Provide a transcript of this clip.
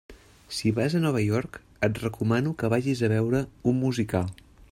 Si vas a Nova York et recomano que vagis a veure un musical.